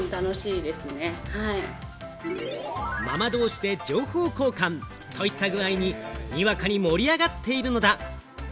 ママ同士で情報交換といった具合に、にわかに盛り上がっているのだ。